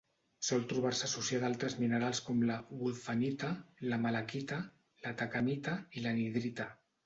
Sol trobar-se associada a altres minerals com la wulfenita, la malaquita, l'atacamita i l'anhidrita.